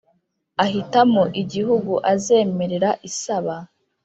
ahitamo Igihugu azemerera isaba